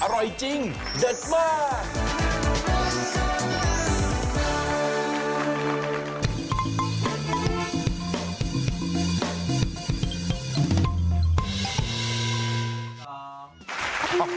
อร่อยจริงเด็ดมาก